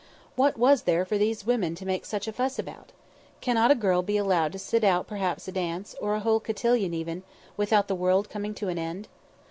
What was there for these women to make such a fuss about? Cannot a girl be allowed to sit out perhaps a dance, or a whole cotillon even, without the world coming to an end?